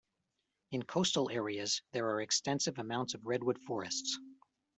In coastal areas there are extensive amounts of redwood forests.